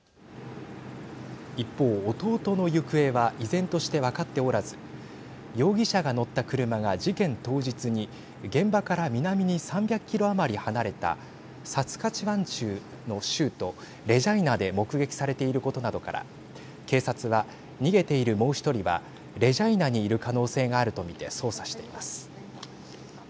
一方、弟の行方は依然として分かっておらず容疑者が乗った車が事件当日に現場から南に３００キロ余り離れたサスカチワン州の州都レジャイナで目撃されていることなどから警察は、逃げているもう１人はレジャイナにいる可能性があると見て捜査しています。